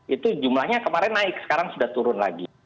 itu jumlahnya kemarin naik sekarang sudah turun lagi